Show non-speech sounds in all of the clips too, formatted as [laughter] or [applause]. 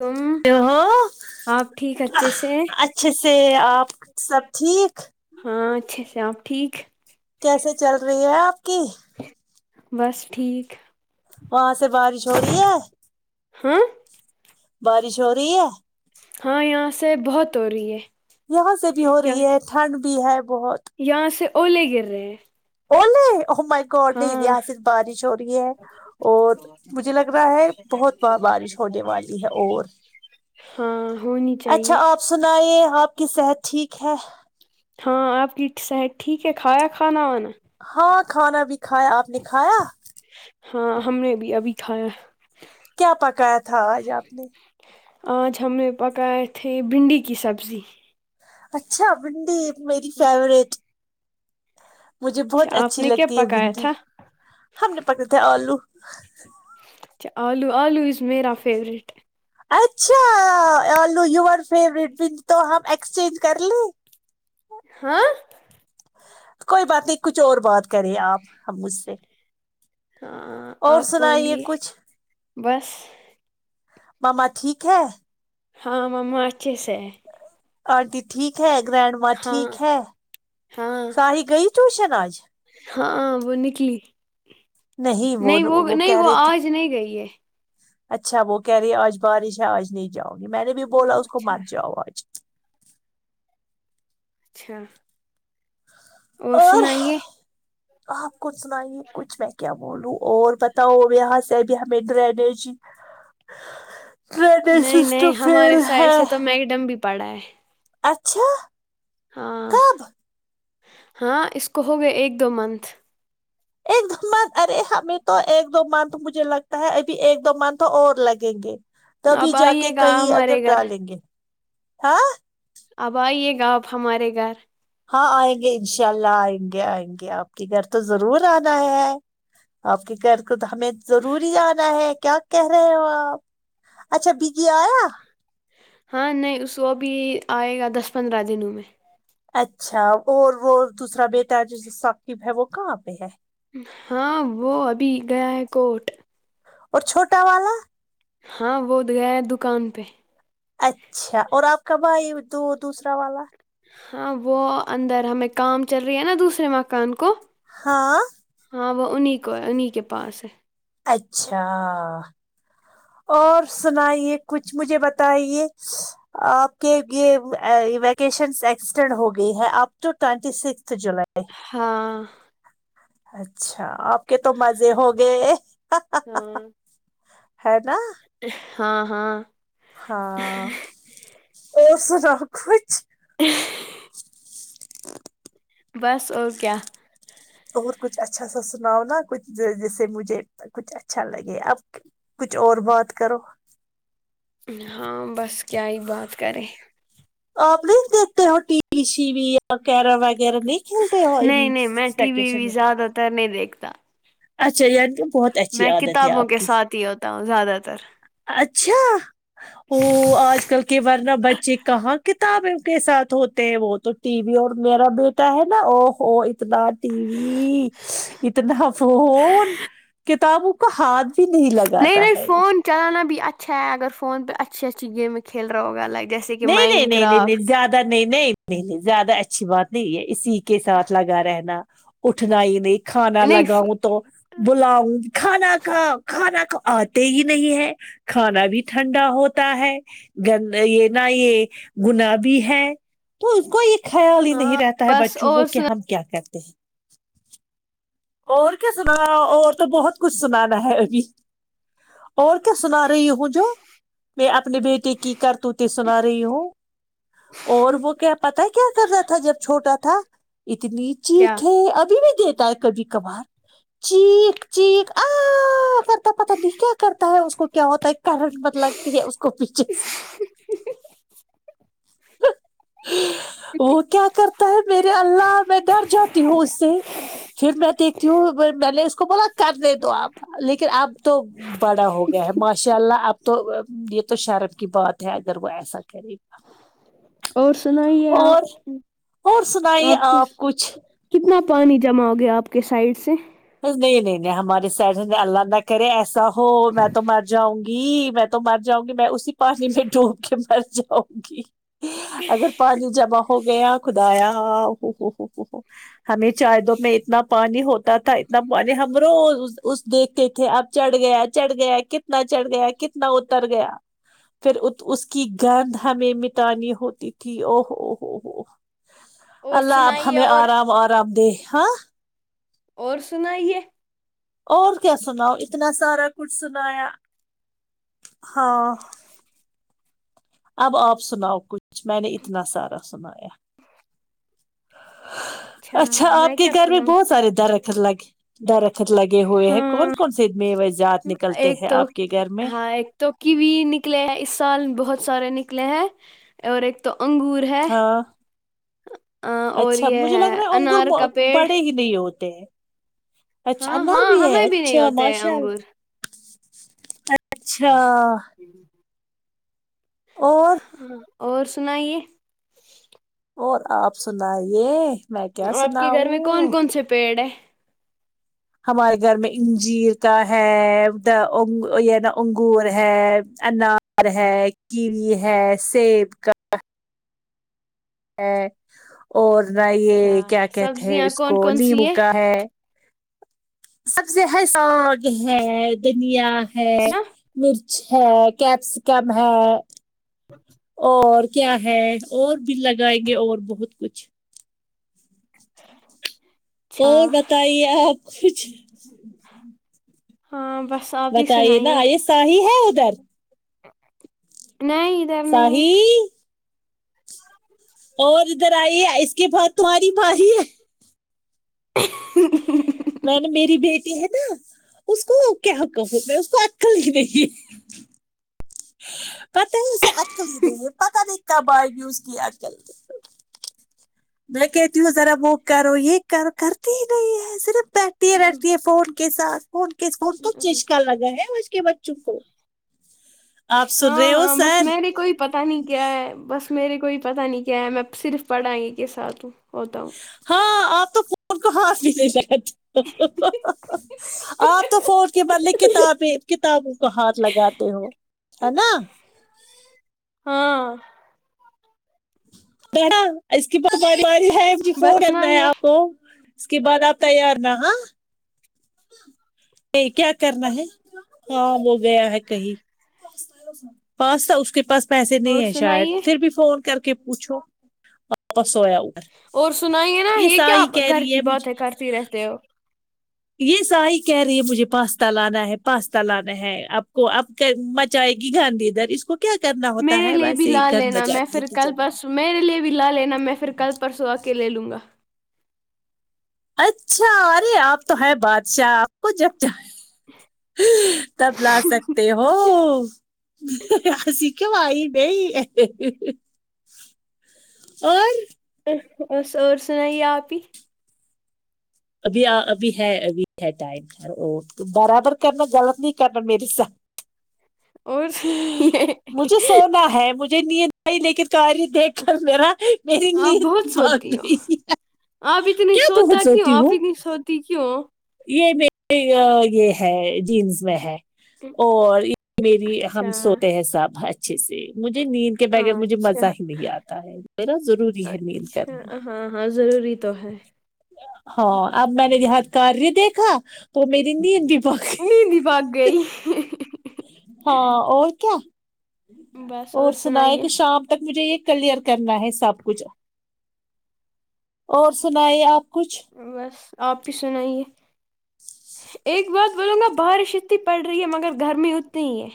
ہوں کیا ہو آپ ٹھیک اچھے سے اچھے سے آپ سب ٹھیک ہاں اچھے سے آپ ٹھیک کیسے چل رہی ہے آپ کی بس ٹھیک وہاں سے بارش ہو رہی ہے ہاں بارش ہو رہی ہے ہاں یہاں سے بہت ہو رہی ہے یہاں سے بھی ہو یہاں رہی ہے ٹھنڈ بھی ہے بہت یہاں سے اوولے گر رہے ہیں اول اوہ می نہیں ہاں یہاں بارش ہو رہی ہے اور مجھے لگ رہا ہے بہت وہ بارش ہونے والی ہے اور ہاں ہونی چاہیے اچھا آپ سنے آپ کی صحت ٹھیک ہے ہاں آپ کی صحت ٹھیک ہے کھایا کھانا وانا ہاں کھانا بھی کھایا آپ نے کھایا ہاں ہم نے بھی ابھی کھایا کیا پکایا تھا آج آپ نے آج ہم نے پکائے تھے بھنڈی کی سبزی اچھا بنڈی میری فیوروریٹ مجھے اچھا بہت آپ اچھی نے کیا لگتی ہے پکایا بھنندی تھا ہم نے پکڑے تھے آلو اچھا آلو آلو از میرا فیوریٹ اچھا آو یو فیورٹ تو ہم ایکسچینج کر لیں ہ [inaudible] ہاں [unintelligible] کوئی بات نہیں کچھ اور بات کریں آپ ہم مجھ سے ہاں اور آ سنائیے بولی کچھ بس ماما ٹھیک ہے ہاں مما اچھے سے آنٹی ٹھیک ہے گرینڈ ماں ہاں ٹھیک ہے ہاں ساری گئی ٹیوشن آج ہاں وہ نکلی نہیں وہ نہیں وہ آج نہیں گئی ہے اچھا وہ کہہ رہی ہے آج بارش ہے آج نہیں جاؤں گی میں نے بھی بولا اس کو اچھا مت جاؤ آج اچھ اور سنائیے آپ کوتنائ کچھ میں کیا بولوں اور بتاؤ یہاں سے اب ہم ڈررجی [inaudible] نہیں نہیں ہمارے سائڈ سے تو میکڈم بھی پڑا ہے اچھا ہاں کب ہاں اس کو ہو گئے ایک دو منتھ ایک دو مان ارے ہمیں تو ایک دو مان تو مجھے لگتا ہے ابھی ایک دو مان تو اور لگیں گے تبھی اب جا کے آئیے گا کہیں اگرب ہمارے گھر ڈالیں گے ہاں اب آئیے گا آپ ہمارے گھر ہاں آئیں گے ان شاء اللہ آئیں گے آئیں گے آپ کے گھر تو ضرور آنا ہے آپ کی کر کو ہمیں ضروری آنا ہے کیا کہہ رہے ہو آپ اچھا بگی آیا ہاں نہیں وہ بھی آئے گا دس پندرہ دنوں میں اچھا اور وہ دوسرا بیے تج ثاقب ہے وہ کہاں پہ ہے ہاں وہ ابھی گیا ہے کوٹ اور چھوٹا والا ہاں ب تو گیا ہے دکان پہ اچھا اور آپ کا بھائی دو دوسرا والا ہاں وہ اندر ہمیں کام چل رہی ہے نا دوسرے مکان کو ہاں ہاں وہ انہیں کو ہے انہیں کے پاس ہے اچھا اور سنائیے کچھ مجھے بتائیے آپ کے یہ ویکیشنس ایکسٹینڈ ہو گئی ہے آپ ٹو ٹوینٹی سکھ جولائی ہاں [unintelligible] اچھا آپ کے تو مزے ہو گئے ہاں ہے نا ہاں ہاں ہاں اور سب کچھ جش [inaudible] بس اور کیا اور کچھ اچھا سا سناؤ نا کچھ جیسے مجھے کچھ اچھا لگے اب کچھ اور بات کرو ہاں بس کیا ہی بات کریں آ پلیز دیکھتے ہو ٹی وی شی وی یا کیرم وغیرہ نہیں کلتے ہو نہیں نہیں میں ٹی وی ویکیشن وی زیادہ تر نہیں دیکھتا اچھا بہت اچھی میں عادت ہے کتابوں آپ کے کی ساتھ ہی ہوتا ہوں زیادہ تر اچھا وہ آج کل کے ورنہ بچے کہاں کتابیں کے ساتھ ہوتے ہیں وہ تو ٹی وی اور میرا بیٹا ہے نا او او اتنا ٹی وی اتنا افون کتابوں کا ہاتھ بھی نہیں لگا نہیں نہیں فون چلانا بھی اچھا ہے اگر فون پہ اچھی اچھی گیمیں کھیل رہا ہوگا الگ جیسے کہ نہیں نہیں مائنڈ نہیں نہیں نہیں کرافٹ ج نہیں نہیں نہیں نہیں زیادہ اچھی بات نہیں ہے اسی کے ساتھ لگا رہنا اٹھنا ہی نہیں کھانا نہیں لگاؤ تو بلاؤں کھانا کا کھانا کا آتے ہی نہیں ہے کھانا بھی ٹھنڈا ہوتا ہے گند یہ ن یہ گنا بھیی ہے تو اس کو یہ خیال ہی نہیں ہاں رہتا ہے بس بچوں کو اور کہ سنا ہم کیا کرتے ہیں اور کیا سنانا اور تو بہت کچھ سنانا ہے ابھی اور کیا سنا رہیوں جو میں اپنے بیٹے کی کر ت ت سنا رہی ہوں اور وہ کیا پتا ہے کیا کر رہا تھا جب چھوٹا تھا اتنی کیا چخ ہے ابھی بھی دیتا ہے کبھی کبھار چیک چیک آپ کرتا پتا نہیں کیا کرتا ہے اس کو کیا ہوتا ہے کرنٹ مت لگتی ہے اس کو پیچھے سے ہ [unintelligible] [inaudible] وہ کیا کرتا ہے میرے اللہ میں ڈر جاتی ہوں اس سے پھر میں دیکھتی ہوں میں نے اس کو بولا کر دے دو آپ لیکن اب تو بڑا ہو گیا ہے ماشاء اللہ اب تو یہ تو شرم کی بات ہے اگر وہ ایسا کرے اور سنائیے اور آپ اور سنائیے آپ کچھ کتنا پانی جمع ہو گیا آپ کے سائڈ سے نہیں نہیں نہیں ہمارے سڈ نے اللہ نہ کرے ایسا ہو میں تو مر جاؤں گی گی میں تو مر جاؤں گی میں اسی پانی میں ڈوب کے مر جاؤں گی اگر پانی جمع ہو ہو گیا خدایا ہو ہو ہو ہو ہو ہمیں چائے دو میں اتنا پانی ہوتا تھا ن نے ہم رو اس دیکھتے تھے اب چڑھ گیا چڑھ گیا کتنا چڑھ گیا کنا ن اتر گیا پھر اس کی گندند ہمیں مٹانی ہوتی تھی اوو ہوو ہو اور اللہ آب سنائیے ہمیں اور آرام آرام دے ہاں اور سنائیے اور کیا سنا ہو اتنا سارا کچھ سنایا ہاں اب آپ سناؤ کچھ میں نے اتنا سارا سنایا اچھا آپ کے گھر میں بہت سارے درخت لگے درخت لگے ہوئے ہیں ہاں کون کون سے مو جات نکلتے ایک ہیں تو آپ کے گھر میں ہاں ایک تو کیوی نکلے ہیں اس سال بہت سارے نکلے ہیں اور ایک تو انگور ہے ہاں اور اچھا یہ مجھے لگ ہے رہا انگور انار کا پیڑ بڑے ہی نہیں ہوتے ہیں اچھا ہاں انار ہاں بھی ہے ہمیں نہیں اچھا ہوتے ہیں انگور ماشاءاللہ اچھا اور ہاں اور سناائیے اور آپ سنائیے میں کیا آپ کے گھر میں سناؤوں کون کون پیڑ ہے ہمارے گھر میں انجیر کا ہے یہ نا انگور ہے انار کیوی ہے سیب کا ہے اور نہ یہ اچھا کیا کہتے ہیں سبزیاں اس کون کو کون سی لیمبو کا ہے سبزی ہے ساگ ہے دنھیا ہے نا مرچ ہے کیپسیکم ہے [inaudible] اور کیا ہے اور بھی لگائیں گے اور بہت کچھ اچھا اور بتائیے آپ کچھ ہاں بس آپ ہی بتائیے نا سنائیے یہ ساہیح ہے ادھر نہیں ادھر نہیں صاہی ہے اور ادھر آئی ہے اس کے بعد تمہاری بھاری ہے [inaudible] میں نے میری بیٹی ہے نا اس کو کیا کہوں میں اس کو عقل ہی نہیں پتا ہے اسے عقل ہی نہیں ہے پتاہ نہیں کب ائی گی اسکی عقل میں کہتی ہوں ذرا وہ کرو یہ کر کرتی ہی نہیں ہے صرف بیٹھ رہتی ہے فون کے ساتھ فون کے فون تو چسچکا لگا ہے آج کے بچوں کو آپ سن ہاں رہے ہو ہاں بس سر میں نے کوئی پتا نہیں کیا ہے بس میرے کوئی پتاہ نہیں کیا ہے میں صرف پڑھای کے ساتھ ہوں ہوں ہاں آپ تو فون کو ہاتھ بھی نہیں لگاتی آپ تو فون کے بدلے کتابیں کتابوں کا ہاتھ لگاتے ہو ہے نا ہاں با ا [inaudible] س کی پاس بماری ہے کون بس کرنا ہے سنائیے آپ کو اس کے بعد آپ تیار نہ کیا کرنا ہے ہاں وہ گیا ہے کہیں پاس تھا اس کے پاس پیسے اور نہیں ہے سنائیے شاید پھر بھی فون کر کے پوچھو واپس ہویا اور سنائیے نا یہ کیا آپ گھر رہی کی ہے مجھے باتیں ہی کرتے رہتے ہو یہ صاہی کہہ رہی ہے مجھے پاستا لانا ہے پاستا لانا ہے آپ کو مچائے گی گند ادھر اس کو کیا کرنا ہوتا میرے ہے لیے بس بھی یہی لا گند لینا میں مچاتی ہے پھر کل کچن میں پرسوں میرے لیے بھی لا لینا میں پھر کل پرسوں آ کے لے لوں گا اچھا ارے آپ تو ہے بادشاہ آپ کو جب چاہے تب لا سکتے ہو آئی بی ہے اور اس اور سنائیے آپی ابھی ابھی ہے ابھی ہے ٹائم برابر کرنا غلط نہیں کرنا میری ساتھ اور سنائیے مجھے سونا ہے مجھے نیند آئی لیکن کاری دیکھ میرا میری آپ نیند ہی بہت بھاگ سوتی ہو گئی آپ اتنی بہت سوتا کیوں سوتی ہو آپ ہوں اتنی سوتی کیوں ہو یہ میری یہ ہے جینس میں ہے اور یہ میری ہم اچھا سوتے ہیں سب اچھے سے مجھے نیند کے بغیر مجھے اچھا مزہ ہی نہیں آتا ہے م نا ضروری ہے نیند کرنا اچھا ہاں ہاں ضروری تو ہے ہاں اب میں نے دیہت کاریہ دیکھا تو میری نیند بھی بکی مند باگ گئی ہاں اور کیا بس اور سنائیے سناک شام ک مجھے یہ کلیئر کرنا ہے سب کچھ اور سنا ہے آپ کچھ بس آپ ہی سنائیے ایک بات بولوں گا بارش اتنی پڑ رہی ہے مگر گرمی اتنی ہی ہے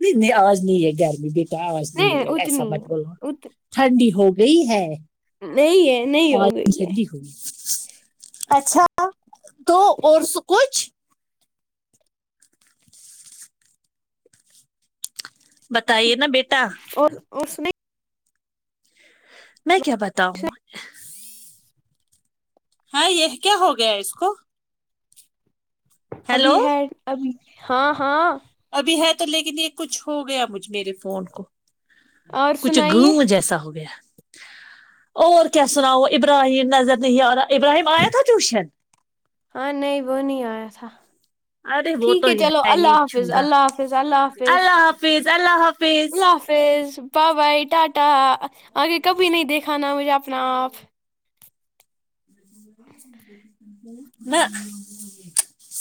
نہیں نہیں آج نہیں ہے گرمی بیٹا آج نہیں ہے ایسا اتنی مت بولو ہے ات ٹھنڈی ہو گئی ہے نہیں ہے نہیں اور ہو گئی ہے ٹھنڈی ہوئی اچھا تو اور س کچھ بتائیے نا بیٹا اور اور س نہیں میں کیا بتاؤں ہاں یہ کیا ہو گیا اس کو ابھی ہیلو ہے ابھی ہاں ہاں ابھی ہے تو لیکن یہ کچھ ہو گیا مجھ میرے فون کو اور کچھ گ سنائیے جیسا ہو گیا اور کیا سناؤ ابراہیم نظر نہیں آا ابراہیم آیا تھا ٹیوشن ہاں نہیں وہ نہیں آیا تھا ارے وہ تو ٹھیک ہے چلو ہی اللہ حافظ چنگا اللہ حافظ اللہ حاظ اللہ حافظ اللہ حافظ پیز پا بھائی ٹاٹا آگے کبھی نہیں دیکھانا مجھے اپنا آپ نہ [unintelligible] [inaudible]